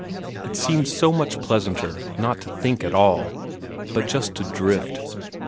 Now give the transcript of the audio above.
It seemed so much pleasanter not to think at all but just to drift.